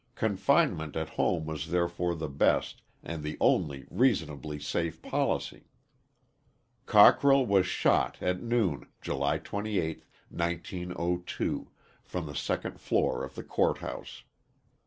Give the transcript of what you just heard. Confinement at home was therefore the best and the only reasonably safe policy. Cockrell was shot at noon, July 28th, 1902, from the second floor of the court house.